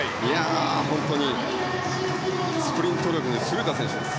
本当にスプリント力に優れた選手です。